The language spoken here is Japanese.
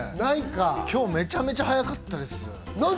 今日めちゃめちゃ早かったです。